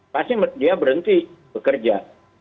pasti dia berhenti bekerja